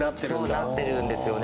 そうなってるんですよね